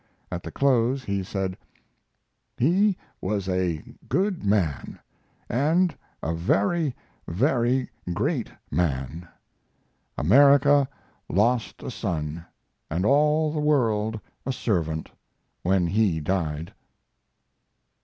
At the close he said: "He was a good man, and a very, very great man. America, lost a son, and all the world a servant, when he died."